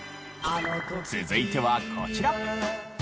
続いてはこちら。